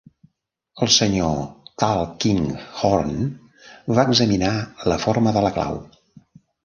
El senyor Tulkinghorn va examinar la forma de la clau.